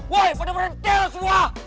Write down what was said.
woy pada berhenti lah semua